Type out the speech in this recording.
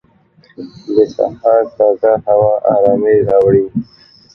د سهار تازه هوا ارامۍ راوړي.